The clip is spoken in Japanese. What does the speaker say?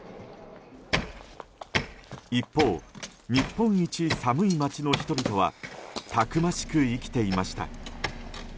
一方、日本一寒い町の人々はたくましく生きていました。